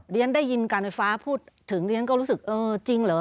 เรียนได้ยินการไฟฟ้าพูดถึงเรียนก็รู้สึกเออจริงเหรอ